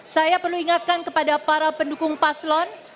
saya perlu ingatkan kepada para pendukung paslon